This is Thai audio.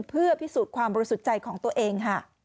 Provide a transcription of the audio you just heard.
เพื่อพิสูจน์ความบริสุทธิ์ใจของตัวเอง